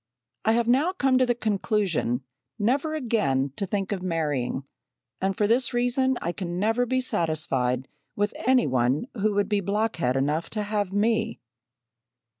I have now come to the conclusion never again to think of marrying, and for this reason I can never be satisfied with any one who would be blockhead enough to have me!"